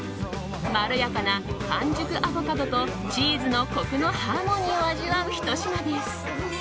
まろやかな完熟アボカドとチーズのコクのハーモニーを味わうひと品です。